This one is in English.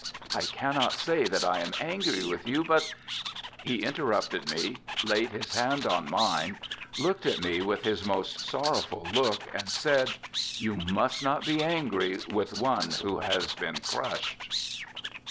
I cannot say that I am angry with you, but ' He interrupted me, laid his hand on mine, looked at me with his most sorrowful look, and said, 'You must not be angry with one who has been crushed.'